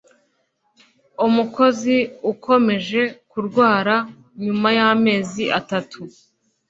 umukozi ukomeje kurwara nyuma y amezi atatu